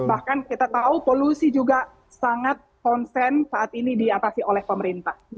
bahkan kita tahu polusi juga sangat konsen saat ini diatasi oleh pemerintah